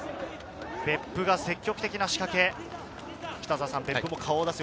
別府が積極的な仕掛け。